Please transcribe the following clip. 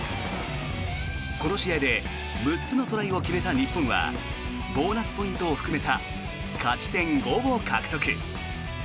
この試合で６つのトライを決めた日本はボーナスポイントを含めた勝ち点５を獲得。